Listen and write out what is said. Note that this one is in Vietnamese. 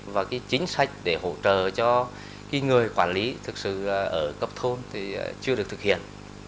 và chính sách để hỗ trợ cho cái người quản lý thực sự ở cấp thôn thì chưa được thực hiện